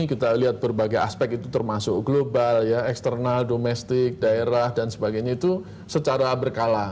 kita lihat berbagai aspek itu termasuk global ya eksternal domestik daerah dan sebagainya itu secara berkala